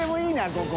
ここ。